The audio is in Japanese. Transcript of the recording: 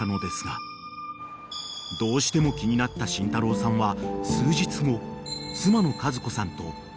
［どうしても気になった慎太郎さんは数日後妻の和子さんと］